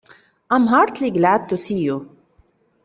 I am heartily glad to see you.